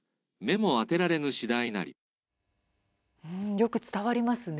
よく伝わりますね。